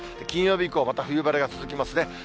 金曜日以降、また冬晴れが続きますね。